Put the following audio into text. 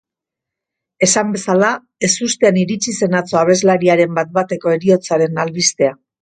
Esan bezala, ezustean iritsi zen atzo abeslariaren bat-bateko heriotzaren albistea.